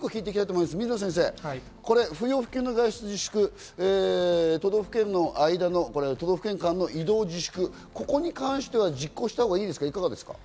水野先生、不要不急の外出自粛、都道府県の間の移動自粛、ここに関しては実行したほうがいいですか。